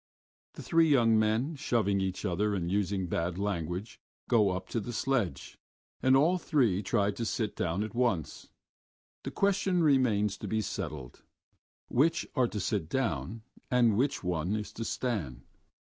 The three young men, shoving each other and using bad language, go up to the sledge, and all three try to sit down at once. The question remains to be settled: Which are to sit down and which one is to stand?